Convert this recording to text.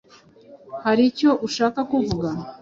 Hari icyo ushaka kuvuga?